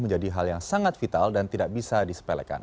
menjadi hal yang sangat vital dan tidak bisa disepelekan